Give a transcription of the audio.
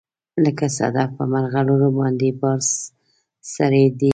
لکه صدف په مرغلروباندې بار سړی دی